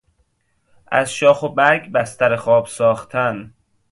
از شاخ و برگ بستر خواب ساختن